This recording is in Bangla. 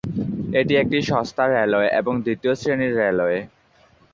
এটি একটি সস্তা রেলওয়ে এবং দ্বিতীয় শ্রেণীর রেলওয়ে।